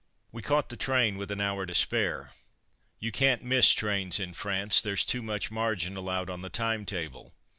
We caught the train with an hour to spare. You can't miss trains in France: there's too much margin allowed on the time table.